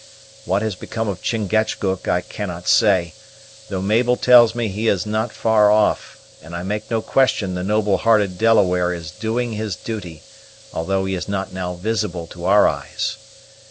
What has become of Chingachgook I cannot say; though Mabel tells me he is not far off, and I make no question the noble hearted Delaware is doing his duty, although he is not now visible to our eyes.